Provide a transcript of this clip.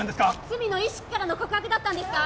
罪の意識からの告白だったんですか？